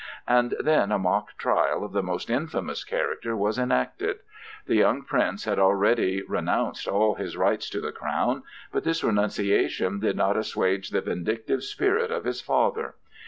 And then a mock trial of the most infamous character was enacted. The young Prince had already renounced all his rights to the crown; but this renunciation did not assuage the vindictive spirit of his father.